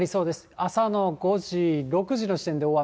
朝の５時、６時の時点で大雨。